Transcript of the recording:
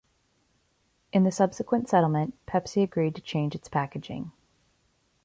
In the subsequent settlement Pepsi agreed to change its packaging.